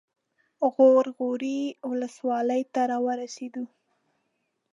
غور غوري ولسوالۍ ته راورسېدو.